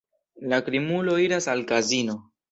La krimulo iras al kazino.